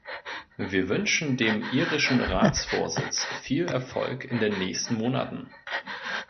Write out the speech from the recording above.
Wir wünschen dem irischen Ratsvorsitz viel Erfolg in den nächsten Monaten.